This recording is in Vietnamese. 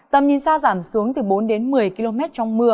tầm nhìn xa giảm xuống từ bốn đến một mươi km trong mưa